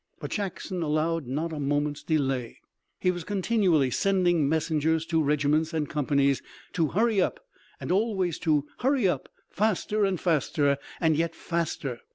But Jackson allowed not a moment's delay. He was continually sending messengers to regiments and companies to hurry up, always to hurry up, faster, and faster and yet faster.